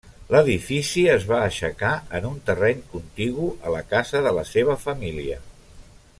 L'edifici es va aixecar en un terreny contigu a la casa de la seva família.